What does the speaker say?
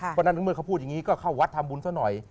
เพราะฉะนั้นเมื่อเขาพูดอย่างนี้ก็เข้าวัดทำบุญซะหน่อย